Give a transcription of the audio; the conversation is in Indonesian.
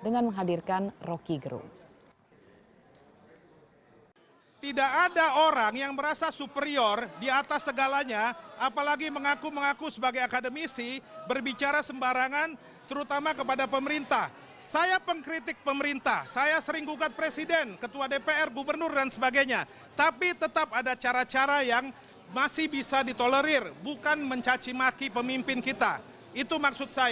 dengan menghadirkan roky gerung yang berada di tiongkok